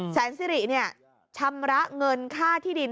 แสนสิริชำระเงินค่าที่ดิน